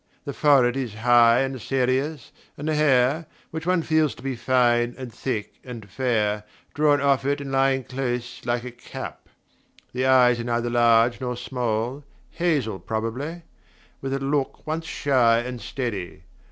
The forehead is high and serious, and the hair, which one feels to be fine and thick and fair, drawn off it and lying close like a cap. The eyes are neither large nor small, hazel probably, with a look at once shy and steady.